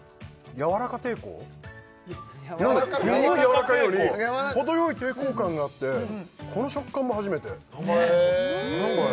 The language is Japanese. やわらか抵抗すごいやわらかいより程よい抵抗感があってこの食感も初めて何これ？